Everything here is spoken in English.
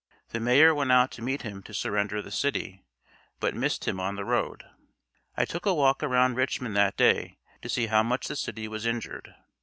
The mayor went out to meet him to surrender the city, but missed him on the road. I took a walk around Richmond that day to see how much the city was injured.